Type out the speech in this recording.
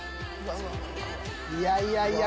いやいやいや！